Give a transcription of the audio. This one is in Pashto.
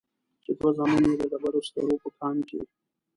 چې دوه زامن يې د ډبرو سکرو په کان کې.